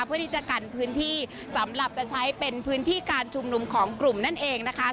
เพื่อที่จะกันพื้นที่สำหรับจะใช้เป็นพื้นที่การชุมนุมของกลุ่มนั่นเองนะคะ